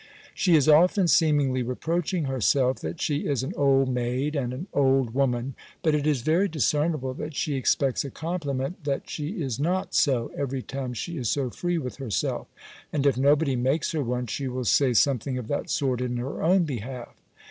She is often seemingly reproaching herself, that she is an old maid, and an old woman; but it is very discernible, that she expects a compliment, that she is not so, every time she is so free with herself: and if nobody makes her one, she will say something of that sort in her own behalf.